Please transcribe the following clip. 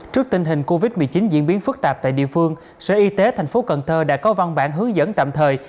trước tình hình covid một mươi chín diễn biến phức tạp tại địa phương sở y tế tp cn đã có văn bản hướng dẫn tạm thời